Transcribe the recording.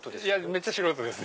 めっちゃ素人です。